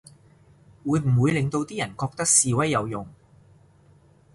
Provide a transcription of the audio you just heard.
會唔會令到啲人覺得示威有用